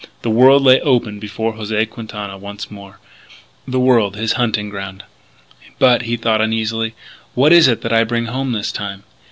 The world lay open before José Quintana once more; the world, his hunting ground. "But," he thought uneasily, "what is it that I bring home this time?